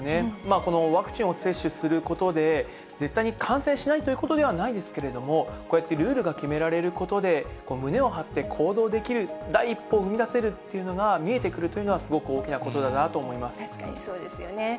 このワクチンを接種することで、絶対に感染しないということではないですけれども、こうやってルールが決められることで、胸を張って行動できる、第一歩を踏み出せるっていうのが見えてくるというのは、確かにそうですよね。